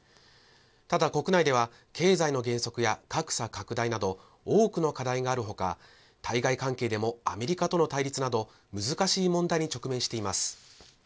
ただ、国内では経済の減速や格差拡大など、多くの課題があるほか、対外関係でもアメリカとの対立など、難しい問題に直面しています。